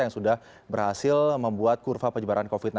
yang sudah berhasil membuat kurva penyebaran covid sembilan belas